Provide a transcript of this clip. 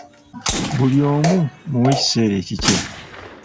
Buli omu muwe ekiseera ekikye.